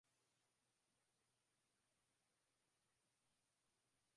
ili kuweza kulinda serikali ya mpito ya somalia